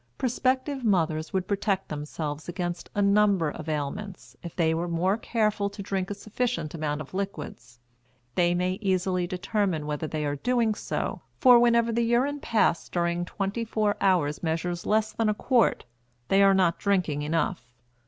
Prospective mothers would protect themselves against a number of ailments if they were more careful to drink a sufficient amount of liquids. They may easily determine whether they are doing so, for whenever the urine passed during twenty four hours measures less than a quart, they are not drinking enough.